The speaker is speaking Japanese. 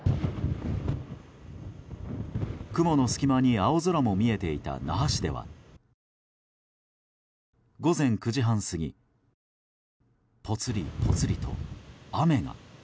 雲の隙間に青空も見えていた那覇市では午前９時半過ぎぽつりぽつりと雨が。